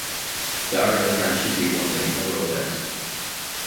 Dario Franchitti won the inaugural event.